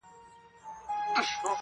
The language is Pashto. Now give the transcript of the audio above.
او نور ټول د نړیوالو موسسو